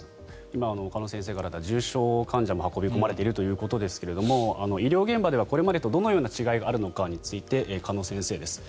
今、鹿野先生からあった重症患者も運び込まれているということですが医療現場ではこれまでとどのような違いがあるのかについて鹿野先生です。